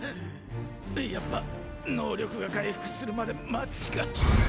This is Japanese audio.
やっぱ能力が回復するまで待つしか。